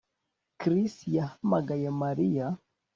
Chris yahamagaye Mariya